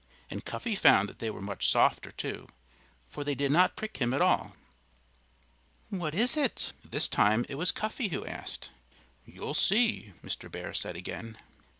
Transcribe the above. And Cuffy found that they were much softer, too, for they did not prick him at all. "What is it?" This time it was Cuffy who asked. "You'll see," Mr. Bear said again.